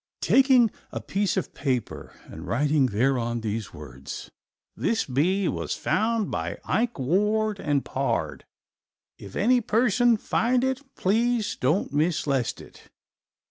Taking a piece of paper and writing thereon these words: "This bee was found by Ike Ward and pard; if any person find it please don't mislest it."